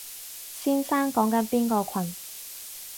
先生講緊邊個群？